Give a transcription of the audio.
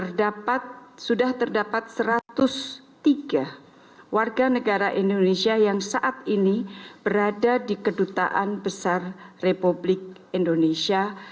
terdapat sudah terdapat satu ratus tiga warga negara indonesia yang saat ini berada di kedutaan besar republik indonesia